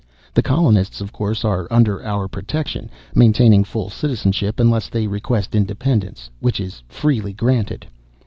The colonists, of course, are under our protection, maintaining full citizenship unless they request independence, which is freely granted.